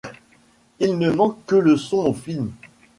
Il ne manque que le son au film.